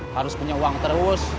harus punya uang terus